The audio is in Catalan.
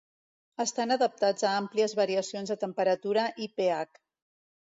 Estan adaptats a àmplies variacions de temperatura i pH.